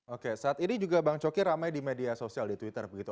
oke saat ini juga bang coki ramai di media sosial di twitter begitu